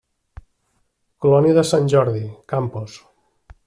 Colònia de Sant Jordi, Campos.